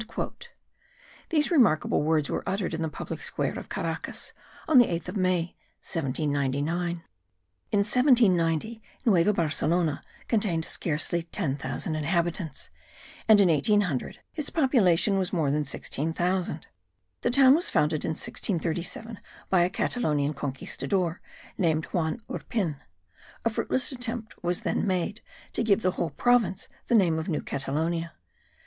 These remarkable words were uttered in the public square of Caracas, on the 8th of May, 1799. In 1790 Nueva Barcelona contained scarcely ten thousand inhabitants, and in 1800, its population was more than sixteen thousand. The town was founded in 1637 by a Catalonian conquistador, named Juan Urpin. A fruitless attempt was then made, to give the whole province the name of New Catalonia.